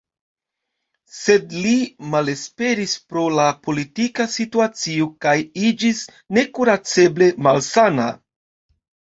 Sed li malesperis pro la politika situacio kaj iĝis nekuraceble malsana.